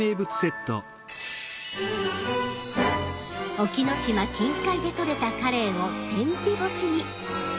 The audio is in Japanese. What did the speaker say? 隠岐の島近海で取れたカレイを天日干しに！